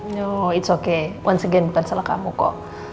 no it's okay once again bukan salah kamu kok